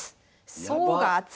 層が厚い！